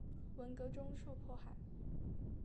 文革中受迫害。